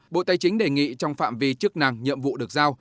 bộ tài chính đề nghị trong phạm vi chức năng nhiệm vụ được giao